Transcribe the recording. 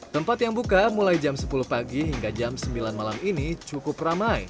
tempat yang buka mulai jam sepuluh pagi hingga jam sembilan malam ini cukup ramai